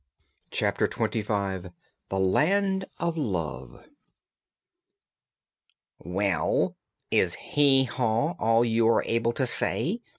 Chapter Twenty Five The Land of Love "Well, is 'hee haw' all you are able to say?"